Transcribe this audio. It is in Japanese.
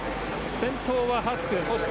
先頭はハスク。